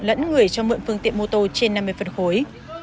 lẫn người cho mượn phương tiện mô tô trên năm mươi phân khối